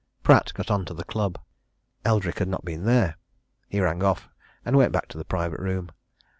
Pratt got on to the club: Eldrick had not been there. He rang off, and went back to the private room.